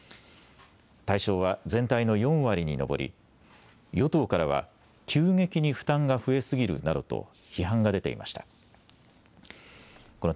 対象は全体の４割に上り与党からは急激に負担が増えすぎるなどと批判が出ていました。